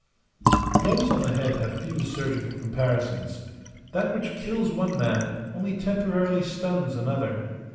Blows on the head have few surgical comparisons. That which kills one man only temporarily stuns another.